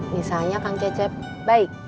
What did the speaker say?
misalnya kang cecep baik